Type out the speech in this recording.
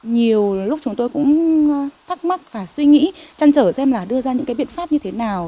nhiều lúc chúng tôi cũng thắc mắc và suy nghĩ trăn trở xem là đưa ra những cái biện pháp như thế nào